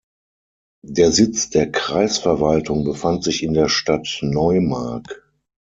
Der Sitz der Kreisverwaltung befand sich in der Stadt Neumark.